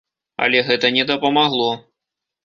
Але гэта не дапамагло.